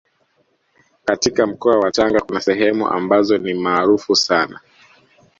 Katika mkoa wa Tanga kuna sehemu ambazo ni maarufu sana